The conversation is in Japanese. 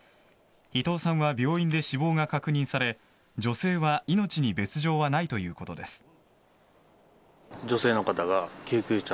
伊藤さんは病院で死亡が確認され女性は命に別条はないということです。